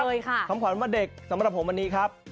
คำขวัญวันเด็กสำหรับผมวันนี้ครับ